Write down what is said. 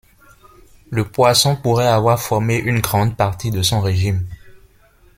Le poisson pourrait avoir formé une grande partie de son régime.